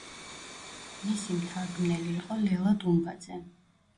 მისი მთარგმნელი იყო ლელა დუმბაძე.